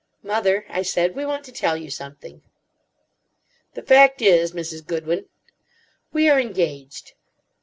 "Mother," I said, "we want to tell you something." "The fact is, Mrs. Goodwin——" "We are engaged."